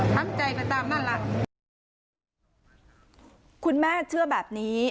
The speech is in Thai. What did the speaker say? น้ำใจไปตามนั้นล่ะคุณแม่เชื่อแบบนี้